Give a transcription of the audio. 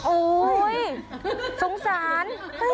โอ๊ยสงสาร